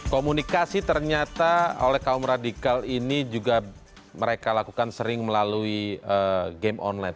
komunikasi ternyata oleh kaum radikal ini juga mereka lakukan sering melalui game online